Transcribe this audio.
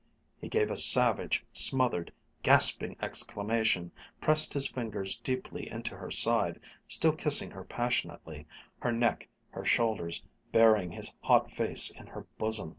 He gave a savage, smothered, gasping exclamation, pressed his fingers deeply into her side, still kissing her passionately, her neck, her shoulders, burying his hot face in her bosom.